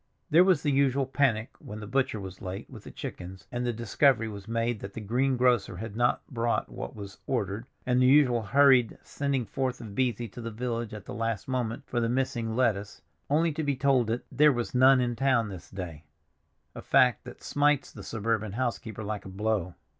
There was the usual panic when the butcher was late with the chickens, and the discovery was made that the green grocer had not brought what was ordered, and the usual hurried sending forth of Beesy to the village at the last moment for the missing lettuce, only to be told that "there was none in town this day"—a fact that smites the suburban housekeeper like a blow.